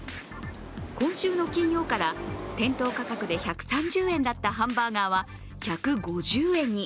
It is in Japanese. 今週の金曜から店頭価格で１３０円だったハンバーガーは１５０円に。